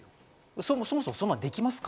そもそも、そんなんできますか？